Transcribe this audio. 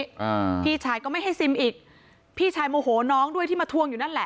อ่าพี่ชายก็ไม่ให้ซิมอีกพี่ชายโมโหน้องด้วยที่มาทวงอยู่นั่นแหละ